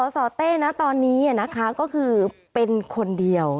สเต้ตอนนี้ก็คือเป็นคนเดียว